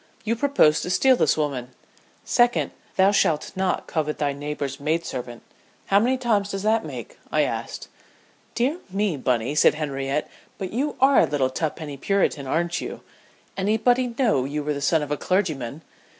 You propose to steal this woman. Second, thou shalt not covet thy neighbor's maid servant. How many times does that make?" I asked. "Dear me, Bunny," said Henriette, "but you are a little tuppenny Puritan, aren't you? Anybody'd know you were the son of a clergyman!